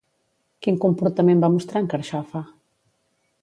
Quin comportament va mostrar en Carxofa?